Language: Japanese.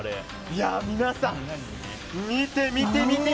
皆さん、見て見て！